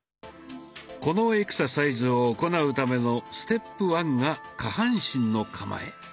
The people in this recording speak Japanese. このエクササイズを行うためのステップワンが下半身の構え。